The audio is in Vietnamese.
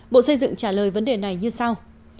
bộ xây dựng trả lời vấn đề này như sau